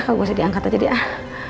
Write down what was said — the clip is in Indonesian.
kalau gak usah diangkat aja deh ah